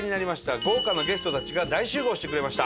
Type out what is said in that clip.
豪華なゲストたちが大集合してくれました。